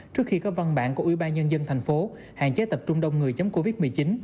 trước khi có văn bản của ubnd thành phố hạn chế tập trung đông người chống covid một mươi chín